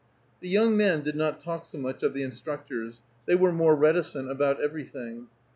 The young men did not talk so much of the instructors; they were more reticent about everything.